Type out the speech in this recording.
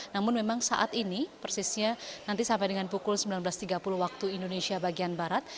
namun memang saat ini persisnya nanti sampai dengan pukul sembilan belas tiga puluh waktu indonesia bagian barat